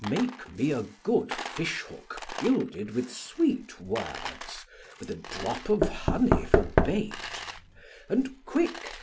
Make me a good fish hook gilded with sweet words, with a drop of honey for bait, and quick!